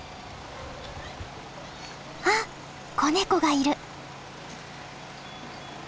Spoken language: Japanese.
あっ子ネコがいる！